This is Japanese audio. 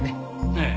ええ。